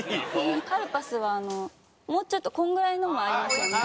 カルパスはもうちょっとこのぐらいのもありますよね？